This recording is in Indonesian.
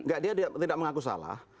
gak dia tidak mengaku salah